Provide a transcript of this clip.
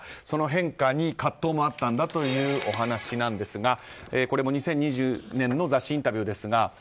その変化に葛藤もあったんだというお話なんですがこれも２０２０年の雑誌インタビューですが。